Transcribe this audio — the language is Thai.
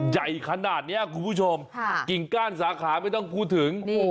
ใหญ่ขนาดนี้คุณผู้ชมกิ่งก้านสาขาไม่ต้องพูดถึง